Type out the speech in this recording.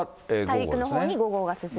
大陸のほうに５号は進んで。